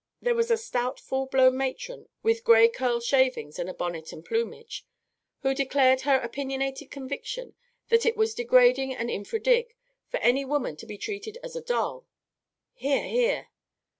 "There was a stout full blown matron, with grey curl shavings and a bonnet and plumage, who declaimed her opinionated conviction that it was degrading and infra dig. for any woman to be treated as a doll. (_Hear, hear.